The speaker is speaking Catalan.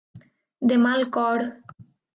De mal cor.